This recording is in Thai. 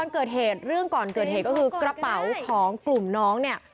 กระเป๋าของกลุ่มน้อง